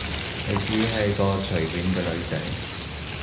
你只係個隨便嘅女仔